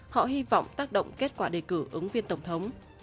họ hy vọng tác động kết quả đề cử ứng viên tổng thống